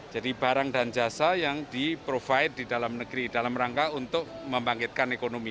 jadi barang dan jasa yang diprovide di dalam negeri dalam rangka untuk membangkitkan ekonomi